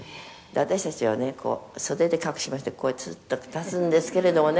「私たちはねこう袖で隠しましてこうやってスッと立つんですけれどもね